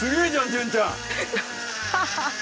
潤ちゃん。